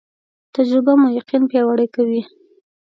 تجربه مو یقین پیاوړی کوي